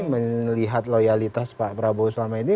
melihat loyalitas pak prabowo selama ini